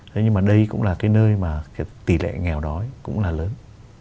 thế nhưng mà đây cũng là cái nơi mà tỷ lệ nghèo đói cũng là lớn